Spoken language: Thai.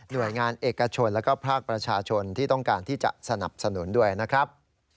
โดยงานเอกชนแล้วก็ภาคประชาชนที่ต้องการที่จะสนับสนุนด้วยนะครับ